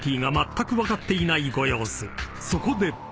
［そこで］